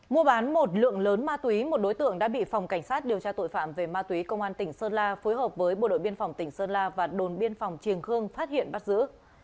mua bán một lượng lớn ma túy một đối tượng đã bị phòng cảnh sát điều tra tội phạm về ma túy công an tỉnh sơn la phối hợp với bộ đội biên phòng tỉnh sơn la và đồn biên phòng triềng khương phát hiện bắt giữ